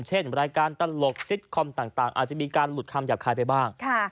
เช่นรายการตลกซิตคอมต่างอาจจะมีการหลุดคำหยาบคายไปบ้าง